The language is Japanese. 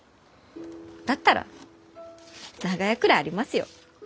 だったら長屋くらいありますよ。